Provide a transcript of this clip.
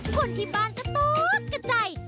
คนที่บ้านก็ตกระจาย